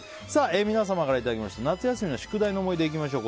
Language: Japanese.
皆様からいただきました夏休みの宿題の思い出いきましょう。